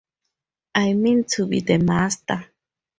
I mean to be the Master.